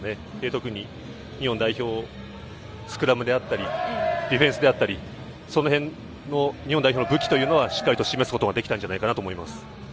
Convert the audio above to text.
特に日本代表、スクラムであったり、ディフェンスであったり、その辺の日本代表の武器というのはしっかりと示すことができたんじゃないかなと思います。